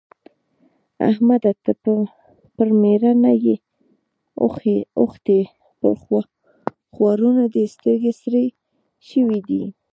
احمده! ته پر مېړه نه يې اوښتی؛ پر خوارانو دې سترګې سرې شوې دي.